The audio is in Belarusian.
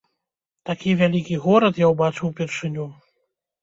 Такі вялікі горад я ўбачыў упершыню.